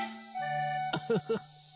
ウフフ。